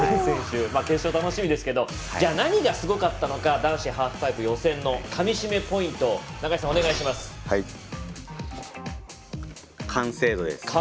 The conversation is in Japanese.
決勝楽しみですがじゃあ、何がすごかったのか男子ハーフパイプ予選のかみしめポイント完成度です。